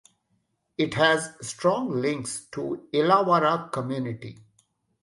It has strong links to the Illawarra community.